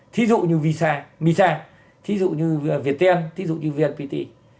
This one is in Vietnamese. thí dụ như misa thí dụ như viettel thí dụ như vnpt